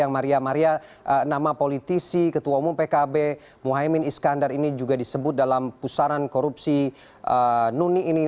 yang maria maria nama politisi ketua umum pkb mohaimin iskandar ini juga disebut dalam pusaran korupsi nuni ini